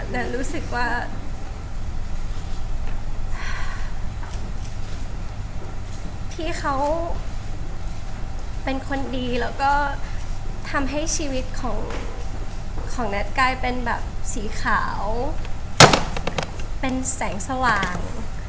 รู้สึกว่าพี่เขาเป็นคนดีแล้วก็ทำให้ชีวิตของแน็ตกลายเป็นแบบสีขาวเป็นแสงสว่าง